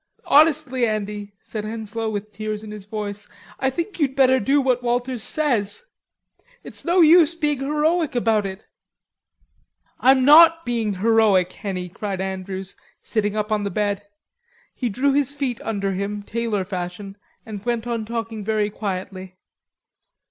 "Honestly, Andy," said Henslowe with tears in his voice, "I think you'd better do what Walters says. It's no use being heroic about it." "I'm not being heroic, Henny," cried Andrews, sitting up on the bed. He drew his feet under him, tailor fashion, and went on talking very quietly.